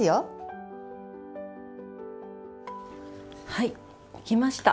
はいできました。